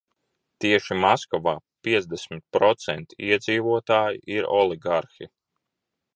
Tieši Maskavā piecdesmit procenti iedzīvotāju ir oligarhi.